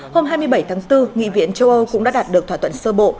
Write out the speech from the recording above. hôm hai mươi bảy tháng bốn nghị viện châu âu cũng đã đạt được thỏa thuận sơ bộ